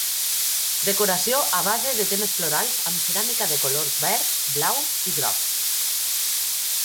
Decoració a base de temes florals amb ceràmica de colors verds, blaus i grocs.